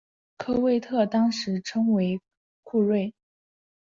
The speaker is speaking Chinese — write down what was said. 科威特当时称为库锐。